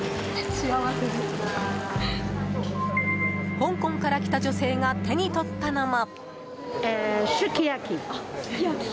香港から来た女性が手に取ったのも。